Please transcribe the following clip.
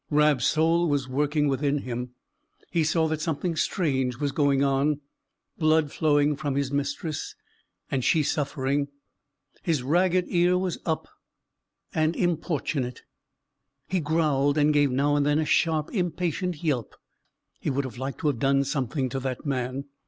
Rab's soul was working within him; he saw that something strange was going on blood flowing from his mistress, and she suffering; his ragged ear was up, and importunate; he growled and gave now and then a sharp impatient yelp; he would have liked to have done something to that man.